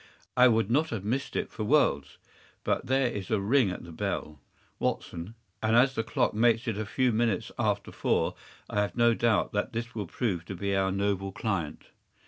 I would not have missed it for worlds. But there is a ring at the bell, Watson, and as the clock makes it a few minutes after four, I have no doubt that this will prove to be our noble client.